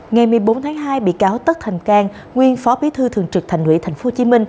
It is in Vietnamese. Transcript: ngày một mươi bốn tháng hai bị cáo tất thành cang nguyên phó bí thư thường trực thành ủy tp hcm